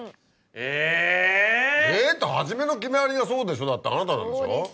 えぇ？って初めの決まりがそうでしょだってあなたなんでしょ。